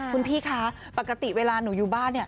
คุณพี่คะปกติเวลาหนูอยู่บ้าน